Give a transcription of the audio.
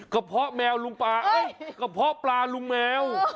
กระเพาะแมวลุงป่าเอ๊ะกระเพาะปลาลุงแมว